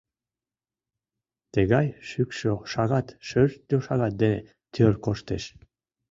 Тыгай шӱкшӧ шагат шӧртньӧ шагат дене тӧр коштеш.